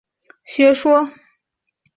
湖南民族主义提出的学说。